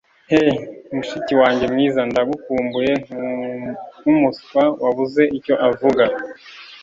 hey, mushiki wanjye mwiza, ndagukumbuye nkumuswa wabuze icyo avuga